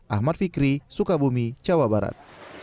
ahmad fikri sukabumi jawa barat